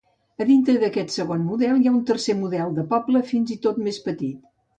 A dintre d"aquest segon model hi ha un tercer model de poble, fins-i-tot més petit.